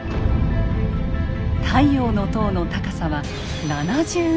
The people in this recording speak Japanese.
太陽の塔の高さは７０ｍ。